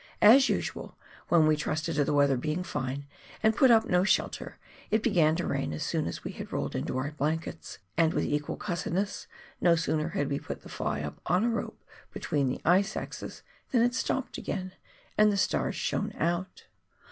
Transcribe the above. As usual, when we trusted to the weather being fine, and put up no shelter, it began to rain as soon as we had rolled into our blankets ; and with equal cussedness, no sooner had we put the fly up on a rope between the ice axes, than it stopped again, and the stars shone out